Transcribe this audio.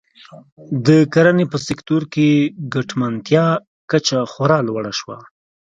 د کرنې په سکتور کې ګټمنتیا کچه خورا لوړه شوه.